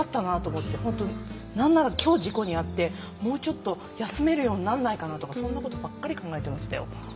何なら今日事故に遭ってもうちょっと休めるようになんないかなとかそんなことばっかり考えてましたよ。